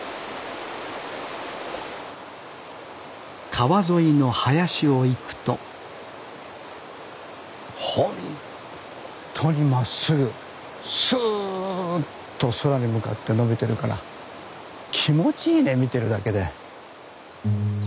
川沿いの林を行くとほんっとにまっすぐスーッと空に向かって伸びてるから気持ちいいね見てるだけで。